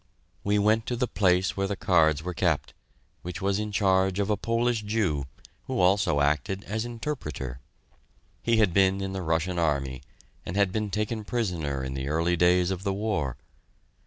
We went to the place where the cards were kept, which was in charge of a Polish Jew, who also acted as interpreter. He had been in the Russian Army, and had been taken prisoner in the early days of the war.